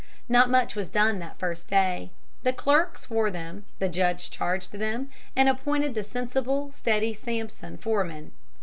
Not much was done that first day. The clerk swore them; the judge charged them, and appointed the sensible, steady Sampson foreman.